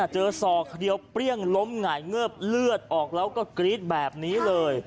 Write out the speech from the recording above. ศอกเดียวเปรี้ยงล้มหงายเงิบเลือดออกแล้วก็กรี๊ดแบบนี้เลย